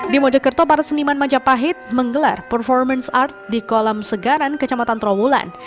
di mojokerto para seniman majapahit menggelar performance art di kolam segaran kecamatan trawulan